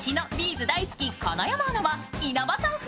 ’ｚ大好き・金山アナは稲葉さん風